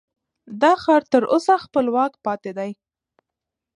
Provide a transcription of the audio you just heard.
دا ښار تر اوسه خپلواک پاتې دی.